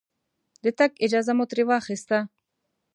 د تګ اجازه مو ترې واخسته.